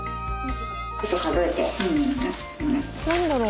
何だろう？